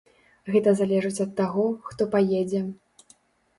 Гэта залежыць ад таго, хто паедзе.